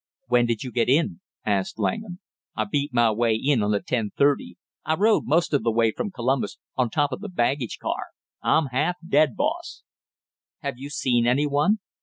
"When did you get in?" asked Langham. "I beat my way in on the ten thirty; I rode most of the way from Columbus on top of the baggage car I'm half dead, boss!" "Have you seen any one?"